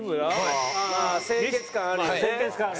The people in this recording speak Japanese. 清潔感あるよね。